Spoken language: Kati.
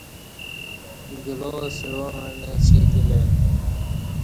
گلاو سعامع نہ چی تِلہ ای